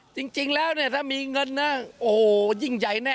จริงแล้วเนี่ยถ้ามีเงินนะโอ้โหยิ่งใหญ่แน่